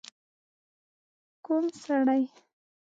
ک و م سړی؟